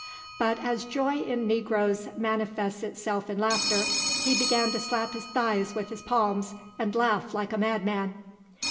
But as joy in negroes manifests itself in laughter, he began to slap his thighs with his palms and laugh like a madman.